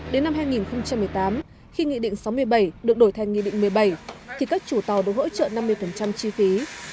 đến năm hai nghìn một mươi tám khi nghị định sáu mươi bảy được đổi thành nghị định một mươi bảy thì các chủ tàu được hỗ trợ năm mươi chi phí